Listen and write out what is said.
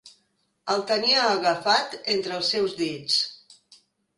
El tenia agafat entre els seus dits.